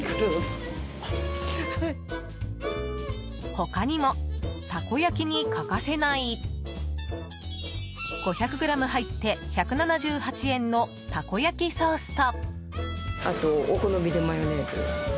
他にも、たこ焼きに欠かせない５００ｇ入って１７８円のたこ焼きソースと。